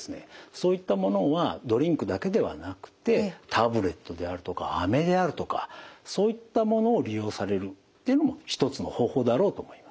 そういったものはドリンクだけではなくてタブレットであるとかあめであるとかそういったものを利用されるっていうのも一つの方法だろうと思います。